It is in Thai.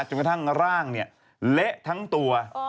จนกระทั่งร่างเนี่ยเหละทั้งตัว